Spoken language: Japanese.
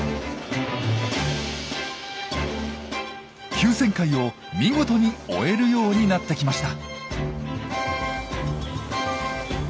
急旋回を見事に追えるようになってきました。